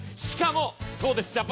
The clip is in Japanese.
しかもそうです。